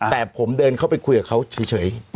แต่ผมเดินเข้าไปคุยกับเขาเฉย